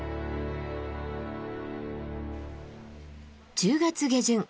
１０月下旬。